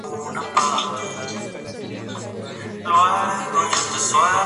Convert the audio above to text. Es una zona predilecta para el desarrollo de actividades de tipo cultural y comercial.